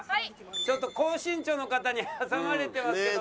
ちょっと高身長の方に挟まれてますけど。